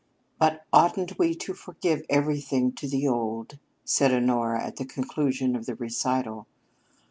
"But oughtn't we to forgive everything to the old?" cried Honora at the conclusion of the recital.